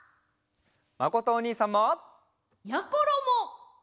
まことおにいさんも！やころも！